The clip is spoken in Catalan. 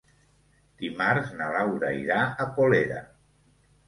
Dimarts na Laura irà a Colera.